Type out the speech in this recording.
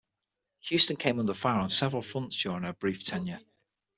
Houston came under fire on several fronts during her brief tenure.